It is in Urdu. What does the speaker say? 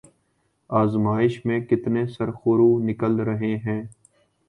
آزمائش میں کتنے سرخرو نکل رہے ہیں۔